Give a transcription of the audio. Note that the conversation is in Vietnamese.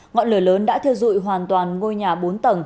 ngọn lửa lớn đã thiêu dụi hoàn toàn ngôi nhà bốn tầng